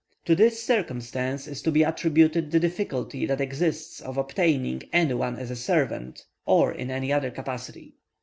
To this circumstance is to be attributed the difficulty that exists of obtaining any one as servant or in any other capacity.